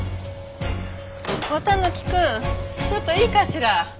綿貫くんちょっといいかしら？